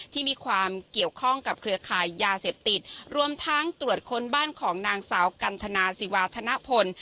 ที่มีความเกี่ยวข้องกับเครือข่ายยาเสพติดรวมทั้งตรวจค้นบ้านของนางสาวกันทนาศิวาธนพล